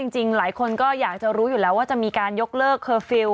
หลายคนก็อยากจะรู้อยู่แล้วว่าจะมีการยกเลิกเคอร์ฟิลล